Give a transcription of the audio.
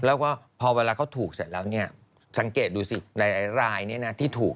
แล้วก็พอเวลาเขาถูกเสร็จแล้วเนี่ยสังเกตดูสิหลายรายที่ถูก